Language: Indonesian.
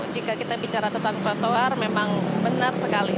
jika kita bicara tentang trotoar memang benar sekali